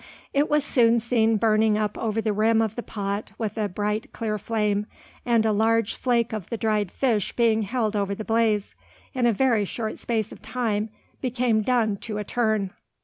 It was soon seen burning up over the rim of the pot with a bright clear flame; and a large flake of the dried fish being held over the blaze, in a very short space of time became done to a turn.